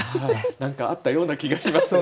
何かあったような気がしますね。